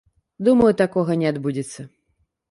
Думаю, такога не адбудзецца.